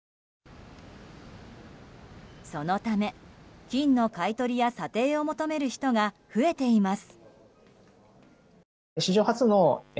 そのため、金の買い取りや査定を求める人が増えています。